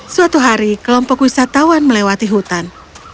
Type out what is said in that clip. suatu hari kelompok wisatawan melewati hutan